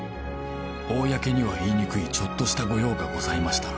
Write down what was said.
「公には言いにくいちょっとしたご用がございましたら」